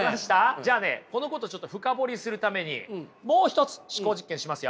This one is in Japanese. じゃあねこのことを深掘りするためにもう一つ思考実験しますよ。